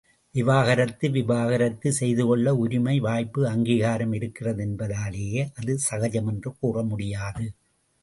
விவாக ரத்து விவாக ரத்து செய்துகொள்ள உரிமை, வாய்ப்பு, அங்கீகாரம் இருக்கிறது என்பதாலேயே அது சகஜம் என்று கூறமுடியாது.